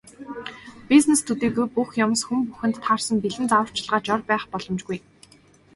Бизнес төдийгүй бүх юмс, хүн бүхэнд таарсан бэлэн зааварчилгаа, жор байх боломжгүй.